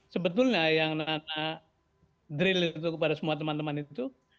sebetulnya yang nana drill itu kepada semua teman teman itu